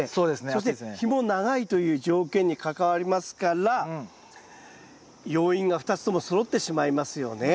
そして日も長いという条件に関わりますから要因が２つともそろってしまいますよね。